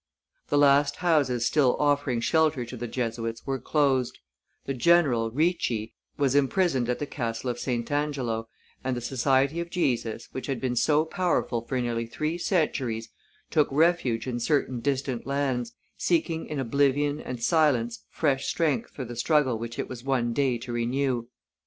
The last houses still offering shelter to the Jesuits were closed; the general, Ricci, was imprisoned at the castle of St. Angelo, and the Society of Jesus, which had been so powerful for nearly three centuries, took refuge in certain distant lands, seeking in oblivion and silence fresh strength for the struggle which it was one day to renew.